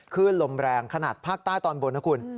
ขึ้นลมแรงขนาดภาคใต้ตอนบนนะคุณ